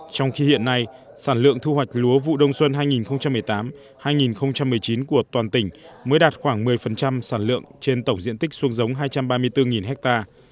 trong khi hiện nay sản lượng thu hoạch lúa vụ đông xuân hai nghìn một mươi tám hai nghìn một mươi chín của toàn tỉnh mới đạt khoảng một mươi sản lượng trên tổng diện tích xuống giống hai trăm ba mươi bốn ha